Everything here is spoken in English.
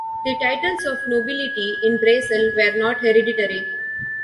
The titles of nobility in Brazil were not hereditary.